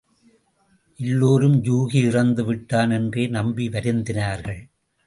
எல்லோரும் யூகி இறந்துவிட்டான் என்றே நம்பி வருந்தினார்கள்.